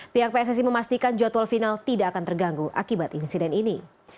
pihak pssi memastikan jadwal final tidak akan terganggu akibat insiden ini